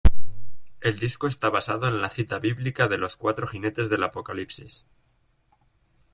El disco está basado en la cita bíblica de "Los Cuatro Jinetes del Apocalipsis".